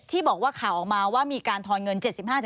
ที่บอกว่าข่าวออกมาว่ามีการทอนเงิน๗๕